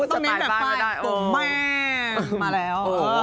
ต้องเน้นแบบค่ะสวมแม่มาแล้ว